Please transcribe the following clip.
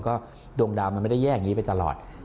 ก็ดวงดาวมันไม่ได้แยกอย่างนี้ไปตลอด